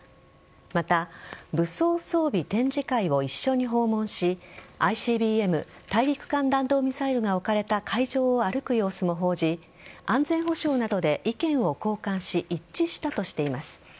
また、武装装備展示会を一緒に訪問しＩＣＢＭ＝大陸間弾道ミサイルが置かれた会場を軽く様子も報じ安全保障などで意見を交換し一致したとしています。